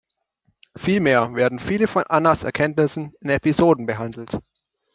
Vielmehr werden viele von Annas Erkenntnissen in Episoden behandelt.